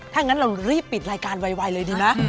ถ้างั้นเรารีบปิดรายการวัยเลยดีมั้ย